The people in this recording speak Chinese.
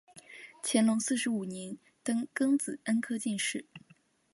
乾隆四十五年登庚子恩科进士。